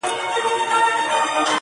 یو سپین ږیری وو ناروغه له کلونو٫